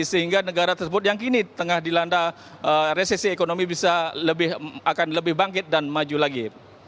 sehingga negara tersebut yang kini tengah dilanda resesi ekonomi akan lebih bangkit dan maju lagi